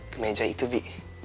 ke meja itu bi